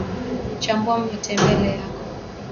chambua mtembele yako